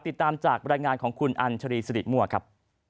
ติดตามจากบรรยายงานของคุณอัญชรีสิริมั่วครับ